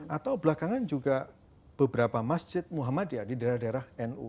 atau belakangan juga beberapa masjid muhammadiyah di daerah daerah nu